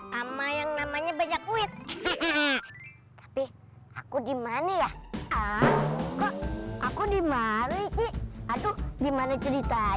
sama yang namanya banyak wik tapi aku dimana ya aku dimariki aduh gimana ceritanya ini